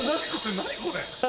何これ？